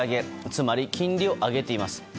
つまり、金利を上げています。